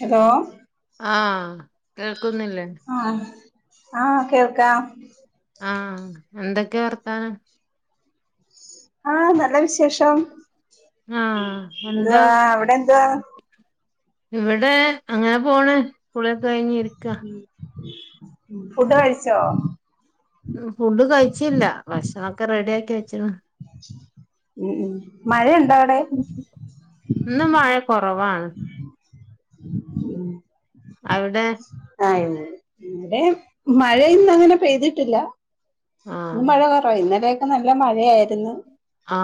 Hello ആ കേൾക്കുന്നില്ലേ ആ ആ കേൾക്കാം ആ എന്തൊക്കെ വർത്താനം ആ നല്ല വിശേഷം ആഹ് എന്താ എന്തുവാ അവിടെ എന്തുവാ ഇവിടെ അങ്ങനെ പോണ് കുളിയക്ക കയിഞ്ഞിരിക്ക ഫുഡ് കഴിച്ചോ ഫുഡ് കഴിച്ചില്ല ഭക്ഷണക്കെ റെഡിയാക്കി വെച്ചിണ് ഉം ഉം മഴയുണ്ടോവിടെ ഇന്നു മഴ കൊറവാണ് ഉം അവിടെ ആ ഇ ഇവിടേം മഴ ഇന്നങ്ങനെ പെയ്തിട്ടില്ല ഇന്ന് ആഹ് മഴ കൊറവായ് ഇന്നലെയൊക്കെ നല്ല മഴയായിരുന്നു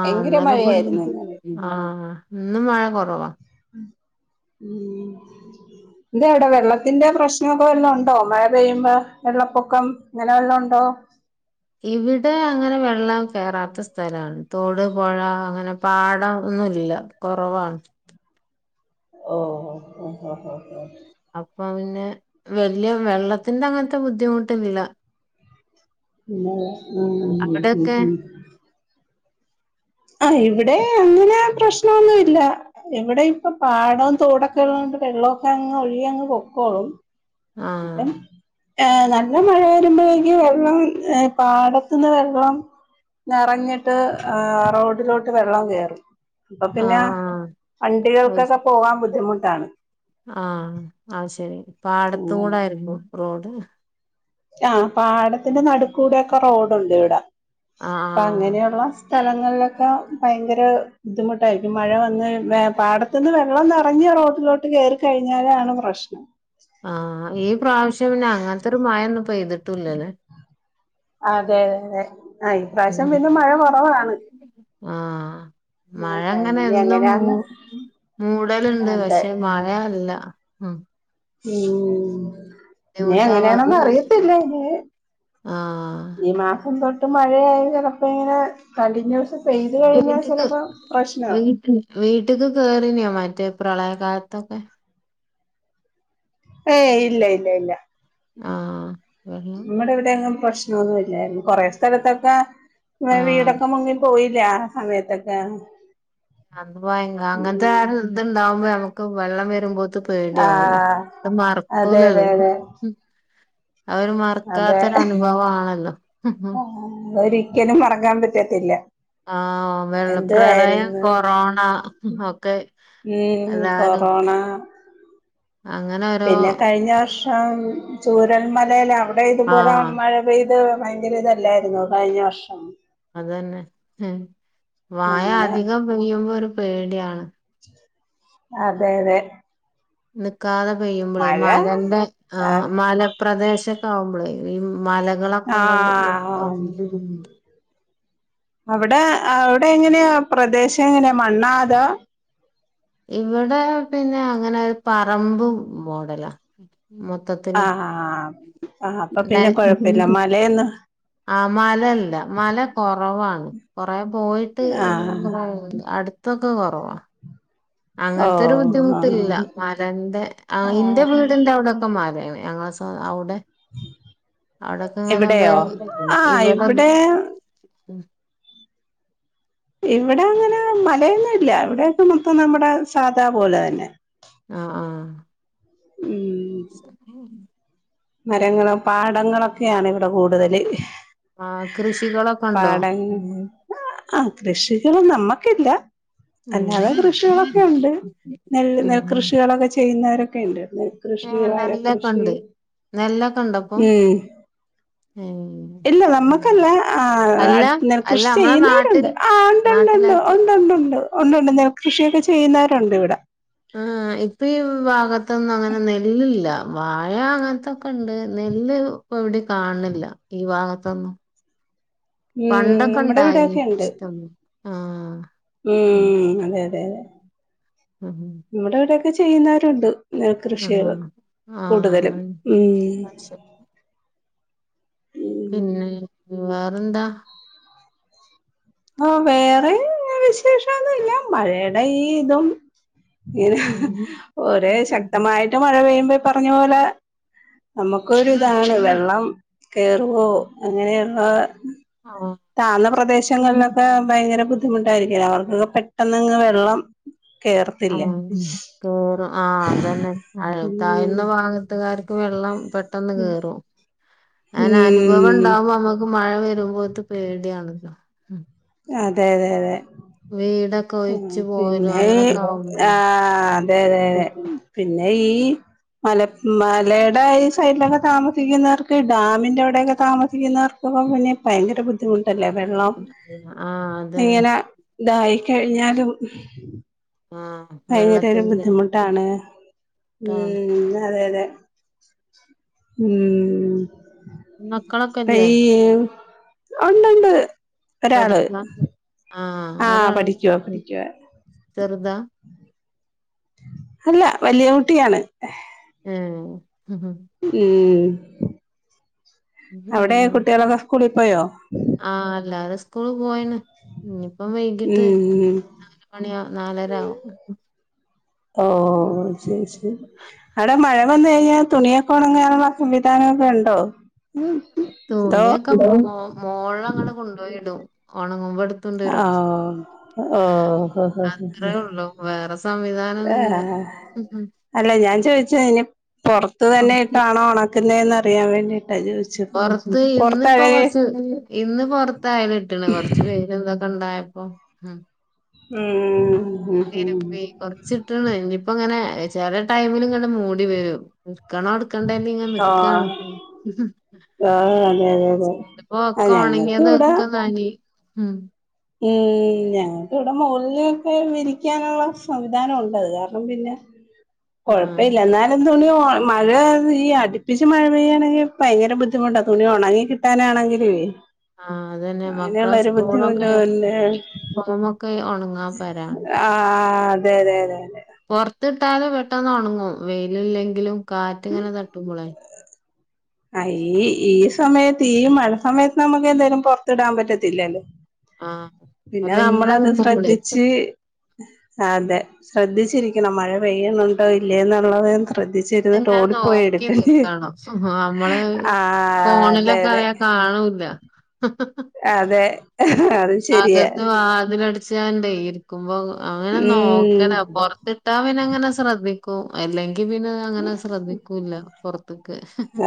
ഭയങ്കര മഴയായിരുന്നു ഇന്നല ആ ആ ആ ഇന്നു മഴ കുറവാ ഉ ഉം ഇത് എവ്ടെ വെള്ളത്തിന്റെ പ്രശ്നൊക്കെ വല്ലോ ഉണ്ടോ മഴ പെയ്യുമ്പോ വെള്ളപ്പൊക്കം ഇങ്ങനെ വല്ലം ഉണ്ടോ ഇവിടെ അങ്ങനെ വെള്ളം കയറാത്ത സ്ഥലമാണ് തോട് പുഴ അങ്ങനെ പാടം ഒന്നുല്ല കുറവാണ് ഓ ഓ ഓ ഓ ഓ ഓ ഓ ഓ അപ്പൊ പിന്നെ വല്ല്യ വെള്ളത്തിന്റെ അങ്ങൻത്തെ ബുദ്ധിമുട്ട്ന്നില്ല അവിടെയൊക്കെ [unintelligible] ആ ഇവിടെ അങ്ങനെ പ്രശ്നഒന്നു ഇല്ല ഇവിടെ ഇപ്പൊ പാടം തോടൊക്കെള്ളണ്ട് വെള്ളമൊക്കെ അങ്ങ് ഒഴ്കി അങ്ങ് പൊക്കോളും ആഹ് മതം ഏ നല്ല മഴ വരുമ്പോഴേക്ക് വെള്ളം ഏ പാടത്ത് ന്ന് വെള്ളം നറഞ്ഞിട്ട് ആ റോഡിലോട്ട് വെള്ളം കേറും അപ്പൊ പിന്നെ ആഹ് വണ്ടികൾക്കൊക്കെ പോവാൻ ബുദ്ധിമുട്ടാണ് ആ അത് ശരി പാടത്ത് അങ്ങനെ കൂടായിരുമ്പോ റോഡ് ആ പാടത്തിന്റെ നടുക്കൂടെക്കെ റോഡുണ്ട് ഇവിട അപ്പൊ ആഹ് അങ്ങനെയുള്ള സ്ഥലങ്ങളിലൊക്കെ ഭയങ്കര ബുദ്ധിമുട്ടായിരിക്കും മഴ വന്ന് പാട പെട്ടെന്ന് വെള്ളം നിറഞ് റോട്ടിലോട്ട് കേറിക്കഴിഞ്ഞാലാണ് പ്രശ്നം ആ ഈ പ്രാവശ്യം പിന്നെ അങ്ങൻത്തെരു മഴൊന്നും പെയ്ത് അതെതെ തെ ആ ഇപ്രാവശ്യം പിന്നെ മഴ കുറവാണ് ആ മഴ ങ്ങനെ കഴിഞ്ഞ എന്നും മൂ എങ്ങനെയാന്ന് മൂടല്ണ്ട് അതെ പക്ഷെ മഴ മഴ അല്ല ഉം ഉം ഉം ഉം ഉം നീ ബുദ്ധിമുട്ടാവാതെ എങ്ങനെയാണന്ന് അറിയത്തില്ല ഇനി ആഹ് ഈ മാസം തൊട്ട് ട്ട് മഴയായ ചിലപ്പോ ഇങ്ങനെ കണ്ടിന്യൂസ് പെയ്തു കഴിഞ്ഞാ വീട്ട്ക്ക് ചിലപ്പോ പ്രശ്നാവും വീട്ട് വീട്ട്ക്ക് കേറിനോ മറ്റേ പ്രളയകാലത്തൊക്കെ ഏ ഇല്ല ഇല്ല ഇല്ല ആഹ് വെള്ളം നമ്മുടെ ഇവിടെ എങ്ങും പ്രശ്നൊന്നും ഇല്ലാരുന്നു കൊറെ സ്ഥലത്തൊക്കെ ആഹ് വീടൊക്കെ മുങ്ങി പോയില്ലേ ആ സമയത്തൊക്കെ ആ ഭയങ്ക അങ്ങനത്തെ ഉം ഇത്ണ്ടാവുമ്പോ നമുക്ക് വെള്ളം വരുമ്പോ ത്ത് പേടിയാവല്ലോ ആഹ് അത് മാറും അതെ അതെ അതെ [unintelligible] ഉം അതൊരു അതെ മറക്കാത്തൊരു അനുഭവം ആണല്ലോ ഒരിക്കലും മറക്കാൻ പറ്റത്തില്ല ആ വെള്ള പ്രളയം എന്തുവായിരുന്നു കൊറോണ ഒക്കെ ഉം കൊറോണ അങ്ങന പി പിന്നെ കഴിഞ്ഞ വർഷം ചൂരമ്മലേൽ അവിടെ ഇതുപോലെ ആഹ് മഴ പെയ്ത് ഭയങ്കര ഇതല്ലായിരുന്നോ കഴിഞ്ഞ വർഷം അതന്നെ വായ അങ്ങനെ അധികം പെയ്യുമ്പോ ഒരു പേടിയാണ് അതെ അതെ നിക്കാതെ പെയ്യുമ്പളേ മഴ മലേന്റെ ആ ആഹ് മലപ്രദേശൊക്കെ ആവുമ്പോളേ ഈ മലകളൊക്കെ ഉള്ള ആഹ് [unintelligible] അവിടെ അവിടെ എങ്ങനെയാ പ്രദേശം എങ്ങനെയാ മണ്ണാ അതോ ഇവിടെ പിന്നെ അങ്ങനെ പറമ്പ് മോഡലാ ആ മൊത്തത്തിന് ആ അപ്പൊ പിന്നെ കൊഴപ്പില്ല [unintelligible] മലയെന്ന് ആ മലല്ല മല കുറവാണ് കൊറേ പോയിട്ട് ആ അടു ത്തൊക്കെ കൊറവാ ഓ അങ്ങൻത്തൊരു ആ ബുദ്ധിമുട്ടില്ല മലേന്റെ ആ ഇന്റെ വീടിന്റെ അവിടെക്കെ മലേണ് ഞങ്ങള സ അവിടെ അവിടൊക്കെ ഇങ്ങനെ വേ ഇവിടെയോ ഇവിടെ ഇവിടെ അങ്ങനെ മലയൊന്നും ഇല്ല ഇവിടെക്കെ മൊത്തം നമ്മുടെ സാധാ പോല തന്നെ ആഹ് ആഹ് ഉം മരങ്ങളും പാടങ്ങളൊക്കെയാണ് ഇവിടെ കൂടുതല് ആ കൃഷികളൊക്കെ ഉണ്ടോ പാട ആ കൃഷികള് നമക്കില്ല ഉം അല്ലാതെ കൃഷികളൊക്കെ ഉണ്ട് നെൽ നെൽ ഉം കൃഷികളൊക്കെ ചെയ്യുന്നവരൊക്കെ ഇണ്ട് നെൽ കൃഷി നെല്ലൊക്കെ വാഴക്കൃഷി ഉണ്ട് ഉം ഉം ഇല്ല നമ്മുക്കല്ല ആ നെൽ അല്ല കൃഷി നമ്മളെ ചെയ്യുന്നവരുണ്ട് നാട്ടില് ആ ഉണ്ട് ഉണ്ട് ഉണ്ട് നാട്ടിലായിട്ട് ഉണ്ട് ഉണ്ട് ഉണ്ട് ഒണ്ട് ഒണ്ട് നെൽകൃഷിയൊക്കെ ചെയ്യുന്നവരുണ്ട് ഇവിടെ ആ ഇപ്പ ഈ ഭാഗത്തൊന്നും അങ്ങനെ നെല്ലില്ല വാഴ അങ്ങനത്തെ ക്കണ്ട് നെല്ല് ഇപ്പൊ എവിടെ കാണണില്ല ഈ ഭാഗത്തൊന്നും ഉം പണ്ടൊക്കെ നമ്മുടെ ഉണ്ടായി ഇവിടെയൊക്കെ ഉണ്ട് ഇഷ്ടോ ഉം അതെ അതെ അതെ ഉം നമ്മുടെ ഇവിടെക്കെ ചെയ്യുന്നവരുണ്ട് നെൽ കൃഷികള് ആഹ് കൂടുതലും ഉം ആഹ് [unintelligible] ഉം പിന്നെ വേറെന്താ ആ വേറെ വിശേഷം ഒന്നുമില്ല മഴയുടെ ഇതും ഇത് ഒരേ ശക്തമായിട്ട് മഴ പെയ്യുമ്പോ ഈ പറഞ്ഞ പോലെ നമുക്കൊരു ഇതാണ് വെള്ളം കേറുവോ അങ്ങനെയുള്ള താന്ന ആഹ് പ്രദേശങ്ങളിലൊക്കെ ഭയങ്കര ബുദ്ധിമുട്ടായിരിക്കല്ലോ അവർക്കൊക്കെ പെട്ടെന്നങ്ങ് വെള്ളം ത്തില്ല ആഹ് കേറും ആഹ് അതന്നെ ഉം താഴ്ന്ന ഭാഗത്തുകാർക്ക് വെള്ളം പെട്ടെന്ന് കേറും അങ്ങനെ അനുഭവം ഉം ഉണ്ടാവുമ്പോ നമുക്ക് മഴ വരുമ്പോത്ത് പേടിയാണ് അതെ അതെ അതെ വീടൊക്കെ ഉം ഒഴിച്ചു പോയലും പിന്നെ അങ്ങനൊക്കെ ആവുമ്പളേ ആഹ് അതെതെ പിന്നെ ഈ മല മലയുടെ ഈ സൈഡിലൊക്കെ താമസിക്കുന്നവർക്ക് ഡാമിന്റെ അവിടോക്കെ താമസിക്കുന്നവർക്ക് ഇപ്പൊക്കെ പിന്ന ഭയങ്കര ബുദ്ധിമുട്ടല്ലേ വെള്ളം ആഹ് അതന്നെ ഇങ്ങനെ ഇതായി കഴിഞ്ഞാലും ആഹ് ഭയങ്കര ഒരു വെള്ളത്തിന്റെ ബുദ്ധിമുട്ടാണ് താണ് ഉം അതെ അതെ ഉം മക്കളൊക്കെ കൈ ഇല്ലേ ഉണ്ട് ഉണ്ട് പഠിക്കണ് ആഹ് ആ ഒരാള് പഠിക്കുവ പഠിക്കുവ ചെറുതാ അല്ല വലിയ കുട്ടിയാണ് ഏഹ് ഉം ഉം ഉം അവിടെ പിന്നെ കുട്ടികളൊക്കെ സ്കൂളിൽ പോയോ ആഹ് എല്ലാരും സ്കൂള് പോയിണ് ഇനിയിപ്പം വൈകിട്ട് ഉം നാല് മണിയാവ നാലര ആവും ഓഹ് ശെരി [unintelligible] അവിടെ മഴ വന്ന് കഴിഞ്ഞാൽ തുണിയൊക്കെ ഒണങ്ങാനുള്ള സംവിധാനങ്ങളൊക്കെ ഇണ്ടോ തുണിയൊക്കെ മോളിലങ്ങട് കൊണ്ടുപോയിടും ഉണങ്ങുമ്പോ എടു ഓഹ് ഓഹോ ഹോ അത്രേ ഉള്ളൂ വേറെ സംവിധാനം ആ ഒന്നുല്ല അല്ല ഞാൻ ചോദിച്ച ഇനി പുറത്ത് തന്നൊയിട്ടാണോ ഉണക്കുന്നന്ന് അറിയാൻ വേണ്ടിട്ടാ ചോദിച്ച പോറത്ത് ഇന്നിപ്പോ കൊറച്ച് ഇന്ന് പോറത്തായിരുന്ന് ഇിട്ടണ കൊറച്ച് പിന്നെ എന്താ ഇണ്ടായപ്പോ ഉം ഉം ഉം ഉം തിപ്പ കുറച്ചിട്ടണ് ഇനിപ്പോ ഇങ്ങനെ ചെല ടൈമിലും ഇങ്ങനെ മൂടി വരും എടുക്കണോ എടുക്കണ്ടേ ല്ലിങ്ങനെ നിക്കാണ് ആഹ്‌ ഇതിപ്പോക്ക ഇവിടെ ഉണങ്ങിയതൊക്കെ നനിം ഉം ഉം ഞങ്ങൾക്കിവിടെ മോൾലോക്കേ വിരിക്കാനുള്ള സംവിധാനം ഉണ്ട് അത് കാരണം പിന്നെ ആഹ് കൊഴപ്പല്ല എന്നാലും തുണി ഒ മഴ ഈ അടുപ്പിച്ച് മഴ പെയ്യണെങ്കിൽ ഭയങ്കര ബുദ്ധിമുട്ടാ തുണി ഒണങ്ങി കിട്ടാനാണെങ്കിലോയ് ആഹ്‌ അതന്നെ മക്കളെ സ്കൂളും ഉണ്ട് റൂമൊക്കെ ഉണങ്ങാൻ പരാണ് ആ അതെ അതെ അതെ അതെ പൊർത് ഇട്ടാലും പെട്ടെന്ന് ഉണ്ടാങും വെയില് ഇല്ലെങ്കിലും കാറ്റ് ഇങ്ങനെ തട്ടുമ്പളേ ആഹ് ഈ ഈ സമയത്ത് ഈ മഴ സമയത്ത് നമുക്ക് എന്തായാലും പൊറത്തിടാൻ പറ്റത്തില്ലല്ലോ ആഹ് പിന്നെ അല്ല ഇങ്ങനെ നമ്മളത് നിക്കുമ്പളേ ശ്രദ്ധിച്ച് അതെ ശ്രദ്ധിച്ചിരിക്കണം മഴ പെയ്യുന്നുണ്ടോ ഇല്ലയോ എന്നുള്ളത് ശ്രദ്ധ ച്ചിരുന്നിട്ട് ഓടി പോയി എടുക്കേണ്ടി ആഹ് നമ്മള് അതെ അതെ ഫോണിലൊക്കെആയ കാണൂല്ല അതെ അത് ശരിയ വാതിലട ചാണ്ടേ ഇരിക്കുമ്പോ അങ്ങനെ ഉം നോക്കണം പൊർത്ത്ട്ടാ പിന്നങ്ങനെ ശ്രദ്ധി അല്ലെങ്കി പിന്നെ അങ്ങനെ ശ്രദ്ധിക്കൂല്ല പുറത്തേക്ക്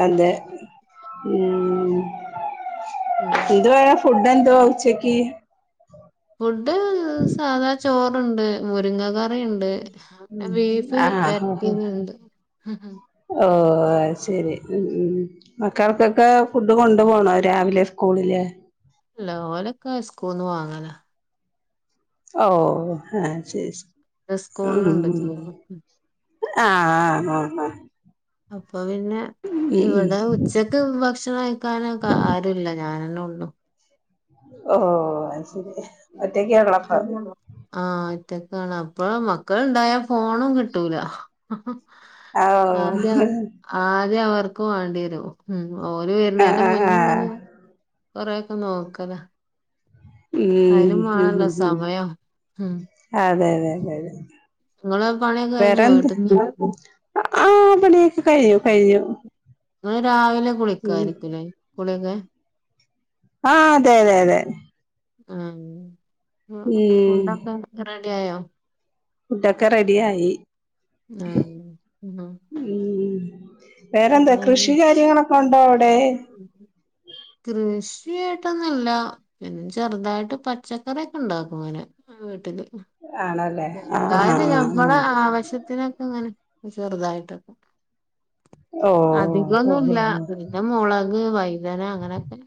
അതേ ഉം ഉം ഇതേവരെ ഫുഡ് ഏന്തുവാ ഉച്ചക്ക് ഫുഡ് സാധാ ചോറ്ണ്ട് മുരിങ്ങകർ റിണ്ട് ബീഫ് വെററ്റിന്നണ്ട് ഹും ഓഹ്‌ അയ്ശ്ശേരി ഉം ഉം മക്കാൾ ക്കൊക്കെ ഫുഡ് കൊണ്ട് പോണോ രാവിലെ സ്കൂളില് ഇല്ല ഓലൊക്കെ സ്കൂന്ന് വാങ്ങല ഓഹ്‌ ആഹ്ശേരി ആഹ് സ്കൂളിലുണ്ട് ഉം ചോറ് ആഹ്‌ ആഹ് ആഹ് ആഹ്‌ അപ്പൊ പിന്നെ ഉം ഇവിടെ ഉച്ചക്ക് ഭക്ഷണം കഴിക്കാനൊക്കെ ആരുല്ല ഞാനന്നെ ഉള്ളു ഓഹ്‌ അത്ശരി ഒറ്റക്കോള്ളു അപ്പോ ആഹ്‌ ഓറ്റക്കാണ് അപ്പൊ മക്കൾണ്ടായ ഫോണും കിട്ടൂല ഓ ആദ്യ ആദ്യ അവർക്കും വണ്ടി വരും ഉം ഓര് ആഹ് വരുന്നേന്റെ ആഹ് ആഹ് മുന്ന കൊറയൊക്കെ നോക്കലാ ഉം ഉം ഉം സമയം അതെ അതെ അതെ നിങ്ങള് പണിയൊക്കെ കഴിഞ്ഞോ വീട്ട ആഹ്‌ പണിയൊക്കെ കഴിഞ്ഞു കഴിഞ്ഞു നിങ്ങൾ രാവിലെ ഉം കുളിക്കായിരിക്കല്ലേ കുളിക്കെ ആഹ്‌ അതെ അതെ അതെ ആഹ്‌ ഉം ഫുഡ്‌ ഒക്കെ റെഡി ആയോ ഫുഡൊക്കെ റെഡി ആയി ആഹ് ഉം ഉം വേറെന്താ പിന്നെന്ത് കൃഷി കാര്യങ്ങളൊക്കെ ഉണ്ടോ അവിടെ കൃഷിയായിട്ടൊന്നല്ല പിന്നെ ചെറുതായിട്ട് പച്ചക്കറൊക്കെ ഉണ്ടാക്കും ഇങ്ങനെ വീട്ടില് ആണല്ലേ ആഹ് ആഹ് ചെറുതായിട്ട് ആഹ് ഞമ്മുടെ ആഹ് ആവശ്യത്തിനൊക്കെ അങ്ങനെ ചെറുതായിട്ടൊക്കെ ഓഹ് അതിന്നും ഇല്ല ഓഹ് പിന്നന്നെ മുളക് വൈതന അങ്ങനെക്കെ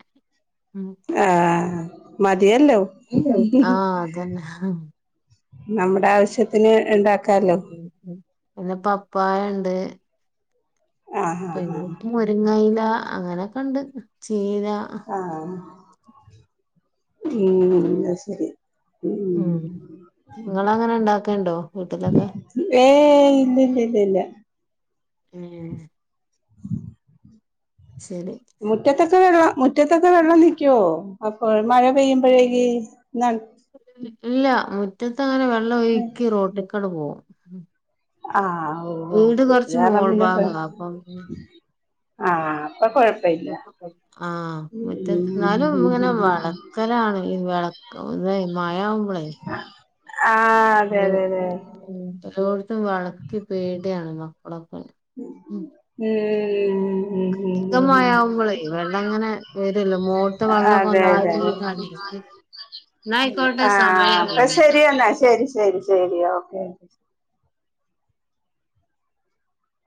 ഉം ആഹ്‌ മതിയല്ലോ ആഹ് അതന്നെ നമ്മുടെ ആവശ്യത്തിന് ഉണ്ടാക്കാലോ പിന്നെ പപ്പായുണ്ട് ആഹ് ആഹ് ആഹ് പിന്നെപ്പൊ മുരിങ്ങയില അങ്ങനൊക്കെ ഉണ്ട് ചീര ആഹ്‌ ഉം ശരി ഉം ഇങ്ങളങ്ങനെ ഉണ്ടാക്കല്ണ്ടോ? ഏയ് ഇല്ല ഇല്ല ഇല്ല ഉം ശെരി മുറ്റത്തൊക്കെ വെള്ളം മുറ്റത്തൊക്കെ വെള്ളം നിക്ക്യേ അപ്പ മഴ പെയ്യ്മ്പഴേക്ക് ഞൻ ഇല്ല മുറ്റത്ത് അങ്ങനെ വെള്ളം ഒഴുക്കി റോട്ട്ക്കണ്ട് പോകും ആഹ് ഓ ഓ വീട് അത് കൊറച്ച് കാരണം മോൾ പിന്നെ ഭാഗാ അപ്പം ആഹ് ഇപ്പം കൊഴ ആഹ് മുറ്റത്ത് എന്നാലും ഇങ്ങനെ വാണം ക്കലാണ് ഈ വെളക്ക് വേം മഴയാവ് ആഹ് അതെ അതെ അതെ എല്ലോട്ത്തും വള്ക്കി പേടിയാണ് മക്കളൊക്കെ ഉം ഉംഹ് ഉം ഹും ങ്കം മഴാവുമ്പളേ വെള്ളങ്ങനെ വരില്ലോ മോൾത്തെ വെള്ളൊക്കെ അതെ അതെ ഒന്നായിട്ട് അതെ ഇങ്ങനെ അടീ എന്നാ ആയിക്കോട്ടെ സമയം ആയാല്ലോ രി എന്നാ ശെരി ശെരി ശെരി ഓക്കെ